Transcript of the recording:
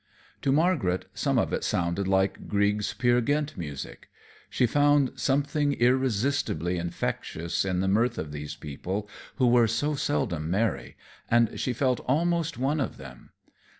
To Margaret some of it sounded like Grieg's Peer Gynt music. She found something irresistibly infectious in the mirth of these people who were so seldom merry, and she felt almost one of them.